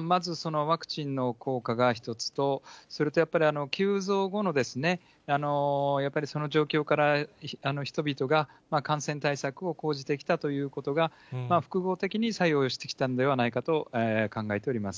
まず、ワクチンの効果が１つと、それとやっぱり、急増後のやっぱりその状況から人々が感染対策を講じてきたということが、複合的に作用してきたんではないかと考えております。